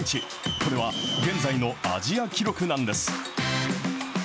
これは現在のアジア記録なんです。